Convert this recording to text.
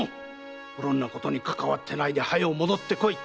うろんなことにかかわってないで早う戻ってこい。